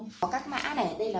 ờ buffet với lại là